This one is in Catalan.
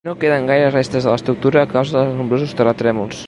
No queden gaires restes de l'estructura a causa dels nombrosos terratrèmols.